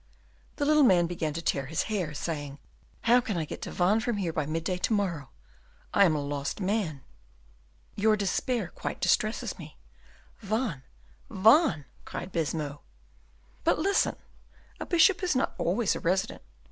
The little man began to tear his hair, saying, "How can I get to Vannes from here by midday to morrow? I am a lost man." "Your despair quite distresses me." "Vannes, Vannes!" cried Baisemeaux. "But listen; a bishop is not always a resident.